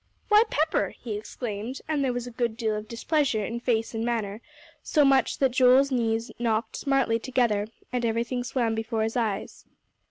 "Why, Pepper!" he exclaimed, and there was a good deal of displeasure in face and manner; so much so that Joel's knees knocked smartly together, and everything swam before his eyes.